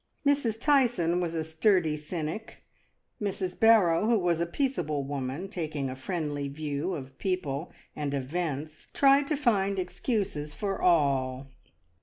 Mrs. Tyson was a sturdy cynic; Mrs. Barrow, who was a peaceable woman, taking a friendly view of people and events, tried to find excuses for all.